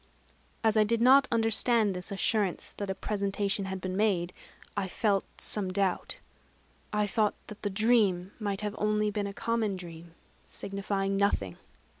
As I did not understand this assurance that a presentation had been made, I felt some doubt; I thought that the dream might have been only a common dream, signifying nothing.